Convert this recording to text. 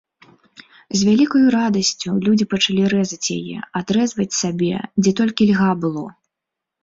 З вялікаю радасцю людзі пачалі рэзаць яе, адрэзваць сабе, дзе толькі льга было.